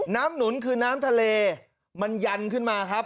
หนุนคือน้ำทะเลมันยันขึ้นมาครับ